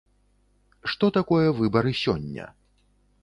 Што такое выбары сёння?